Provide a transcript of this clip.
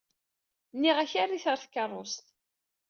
Nniɣ-ak err-it ɣer tkeṛṛust.